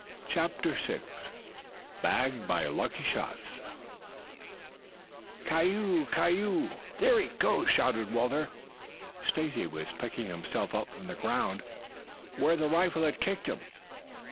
CHAPTER VI BAGGED BY LUCKY SHOTS "K I I O O O O! K I I I O O O!" "There he goes!" shouted Walter. Stacy was picking himself up from the ground where the rifle had kicked him.